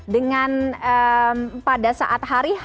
dengan pada saat hari